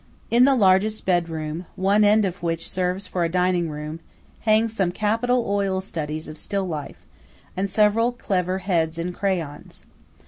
In the largest bed room, one end of which serves for a dining room, hang some capital oil studies of still life, and several clever heads in crayons.